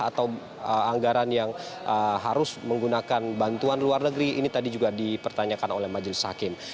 atau anggaran yang harus menggunakan bantuan luar negeri ini tadi juga dipertanyakan oleh majelis hakim